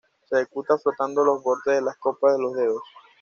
Se ejecuta frotando los bordes de las copas con los dedos.